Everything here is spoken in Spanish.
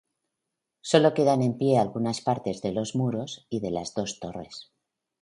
Sólo quedan en pie algunas partes de los muros y de las dos torres.